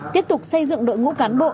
tiếp tục xây dựng đội ngũ cán bộ